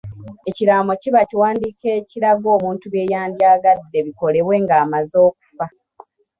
Ekiraamo kiba kiwandiiko ekiraga omuntu bye yandyagadde bikolebwe ng'amaze okufa.